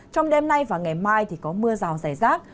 trong đêm nay và ngày mai thì có mưa rào rải rác